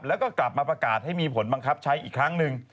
แล้วก็กลับมาประกาศให้มีผลบังคับใช้อีกครั้งหนึ่ง